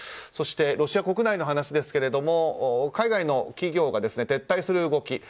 そして、ロシア国内の話ですが海外の企業が撤退する動き。